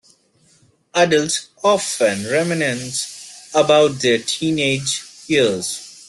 Adults often reminisce about their teenage years.